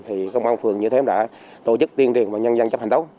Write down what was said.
thì công an phường như thế đã tổ chức tuyên truyền và nhân dân chấp hành đó